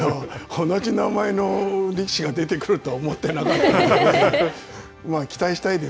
同じ名前の力士が出てくるとは思ってなかったので。